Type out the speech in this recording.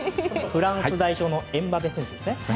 フランス代表のエムバペ選手ですね。